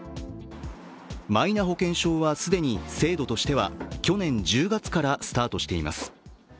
マイナ保険証は既に制度としては去年１０月からスタートしています。